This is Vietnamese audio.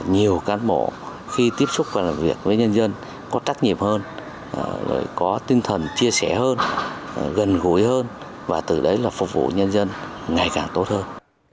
nhiều cán bộ khi tiếp xúc và làm việc với nhân dân có trách nhiệm hơn có tinh thần chia sẻ hơn gần gũi hơn và từ đấy là phục vụ nhân dân ngày càng tốt hơn